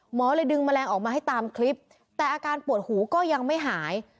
เลยดึงแมลงออกมาให้ตามคลิปแต่อาการปวดหูก็ยังไม่หาย